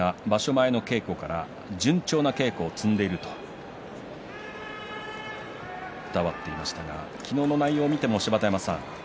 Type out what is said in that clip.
前の稽古から順調な稽古を積んでいると伝わっていましたが昨日の内容を見ても芝田山さん